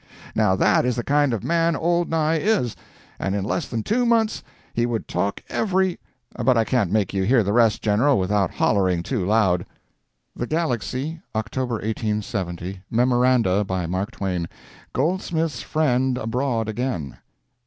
Now that is the kind of man old Nye is—and in less than two months he would talk every—But I can't make you hear the rest, General, without hollering too loud." THE GALAXY, October 1870 MEMORANDA. BY MARK TWAIN. GOLDSMITH'S FRIEND ABROAD AGAIN.